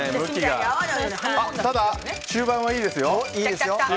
ただ、終盤はいいですよ。